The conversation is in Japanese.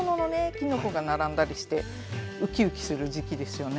きのこが並んだりしてウキウキする時期ですよね。